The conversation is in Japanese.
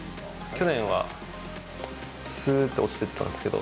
去年はすーっと落ちてったんですけど。